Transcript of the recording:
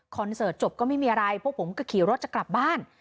เสิร์ตจบก็ไม่มีอะไรพวกผมก็ขี่รถจะกลับบ้าน